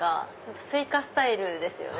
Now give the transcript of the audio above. スイカスタイルですよね。